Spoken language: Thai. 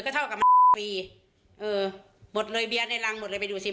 ก็เท่ากับมันฟรีเออหมดเลยเบียร์ในรังหมดเลยไปดูสิ